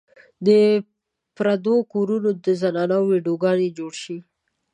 د پردو کورونو د زنانو ويډيو ګانې جوړې شي